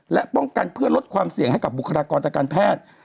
และป้องกันเพื่อลดความเสี่ยงให้กับบุคลากรทางการแพทย์